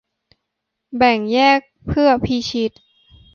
แบ่งแยก เพื่อพิชิต